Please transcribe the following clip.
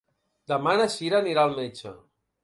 Demà na Sira anirà al metge.